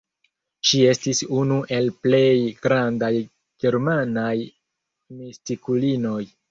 Ŝi estis unu el plej grandaj germanaj mistikulinoj.